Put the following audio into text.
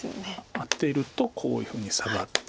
アテるとこういうふうにサガって。